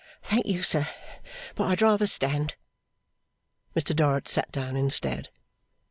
'Thank you, sir but I'd rather stand.' Mr Dorrit sat down instead.